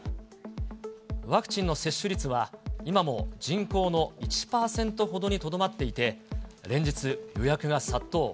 ワクチンの接種率は、今も人口の１％ほどにとどまっていて、連日、予約が殺到。